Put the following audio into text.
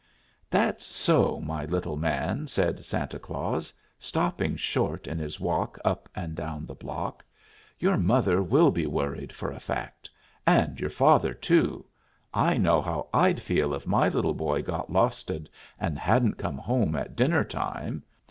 "That's so, my little man," said Santa Claus, stopping short in his walk up and down the block. "Your mother will be worried, for a fact; and your father, too I know how I'd feel if my little boy got losted and hadn't come home at dinner time.